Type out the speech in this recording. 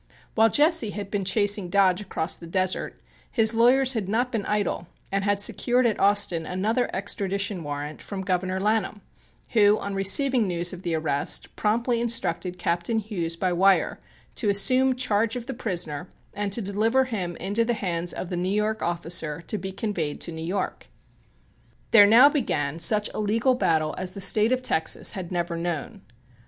While Jesse had been chasing Dodge across the desert, his lawyers had not been idle and had secured at Austin another extradition warrant from Governor Lanham, who, on receiving news of the arrest, promptly instructed Captain Hughes by wire to assume charge of the prisoner and to deliver him into the hands of the New York officer to be conveyed to New York. There now began such a legal battle as the State of Texas had never known.